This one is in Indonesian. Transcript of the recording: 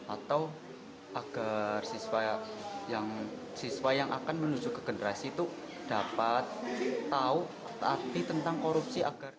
atau agar siswa yang akan menuju ke generasi itu dapat tahu arti tentang korupsi agar